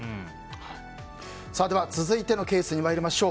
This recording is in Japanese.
続いてのケースに参りましょう。